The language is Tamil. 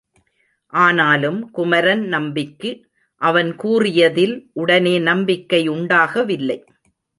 ஆனாலும் குமரன் நம்பிக்கு அவன் கூறியதில் உடனே நம்பிக்கை உண்டாகவில்லை.